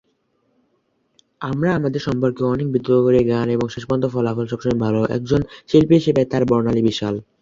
আমরা আমাদের সম্পর্কে অনেক বিতর্ক করি গান এবং শেষ পর্যন্ত ফলাফল সবসময়ই ভাল, একজন শিল্পী হিসেবে তাঁর বর্ণালী বিশাল।